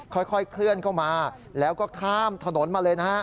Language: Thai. ค่อยเคลื่อนเข้ามาแล้วก็ข้ามถนนมาเลยนะฮะ